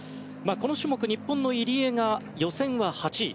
この種目、日本の入江が予選は８位。